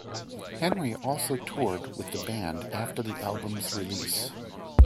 Henry also toured with the band after the album's release.